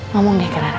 ngomong deh ke rara